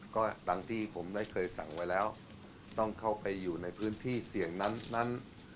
ก็ดังที่ผมได้เคยสั่งไว้แล้วต้องเข้าไปอยู่ในพื้นที่เสี่ยงนั้น